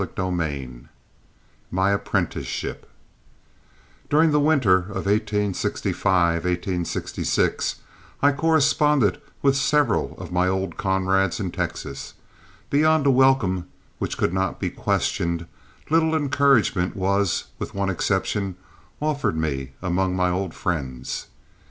CHAPTER II MY APPRENTICESHIP During the winter of 1865 66 I corresponded with several of my old comrades in Texas. Beyond a welcome which could not be questioned, little encouragement was, with one exception, offered me among my old friends.